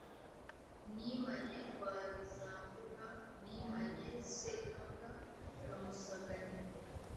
Nimanye Rwabizambuga; nimanye Sekabwa ka Musanganya,